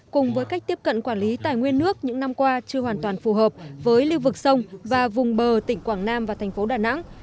cùng với cách tiếp cận quản lý tài nguyên nước những năm qua chưa hoàn toàn phù hợp với lưu vực sông và vùng bờ tỉnh quảng nam và thành phố đà nẵng